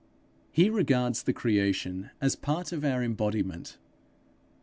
He regards the creation as part of our embodiment.